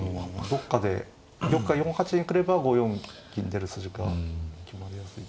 どっかで玉が４八に来れば５四金出る筋が決まりやすい。